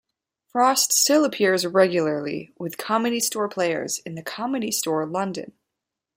Frost still appears regularly with Comedy Store Players in The Comedy Store, London.